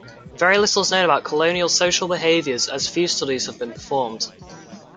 Very little is known about colonial social behaviors as few studies have been performed.